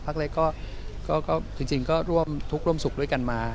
พักเล็กก็จริงก็ทุกร่วมสุขด้วยกันมา